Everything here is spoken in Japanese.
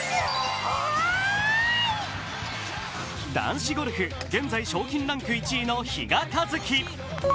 男子ゴルフ、現在、賞金ランク１位の比嘉一貴。